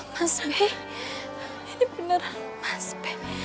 mas be ini beneran mas be